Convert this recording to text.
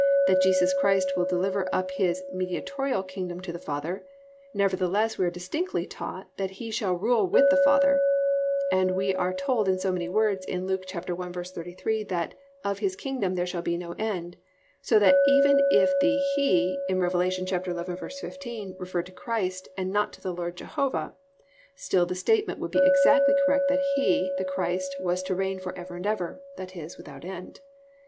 that Jesus Christ will deliver up His mediatorial kingdom to the Father, nevertheless we are distinctly taught that He shall rule with the Father, and we are told in so many words in Luke 1:33 that "of His kingdom there shall be no end," so that even if the "he" in Rev. 11:15 referred to the Christ and not to the Lord Jehovah, still the statement would be exactly correct that He, the Christ, was to reign for ever and ever, i.e., without end.